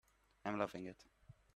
I'm loving it.